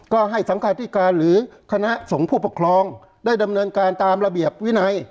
ก็ให้สังคาธิการหรือคณะสงฆ์ผู้ปกครองได้ดำเนินการตามระเบียบวินัย